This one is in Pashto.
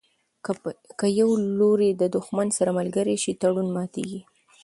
که یو لوری له دښمن سره ملګری شي تړون ماتیږي.